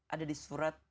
ada di surat